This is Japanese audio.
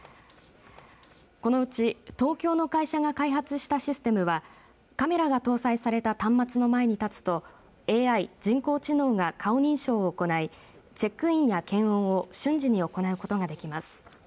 このうち東京の会社が開発したシステムはカメラが搭載された端末の前に立つとＡＩ、人工知能が顔認証を行いチェックインや検温を瞬時に行うことができます。